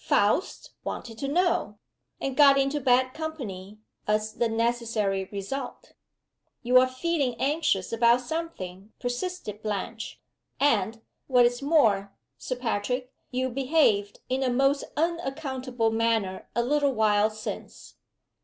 Faust 'wanted to know' and got into bad company, as the necessary result." "You are feeling anxious about something," persisted Blanche. "And, what is more, Sir Patrick, you behaved in a most unaccountable manner a little while since."